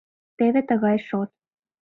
Теве тыгай шот.